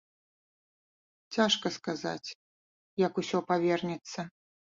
Цяжка сказаць, як усё павернецца.